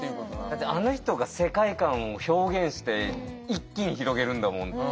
だってあの人が世界観を表現して一気に広げるんだもん。